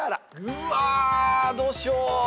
うわどうしよう。